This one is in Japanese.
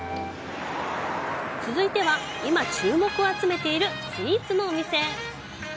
続いては、今注目を集めているスイーツのお店へ。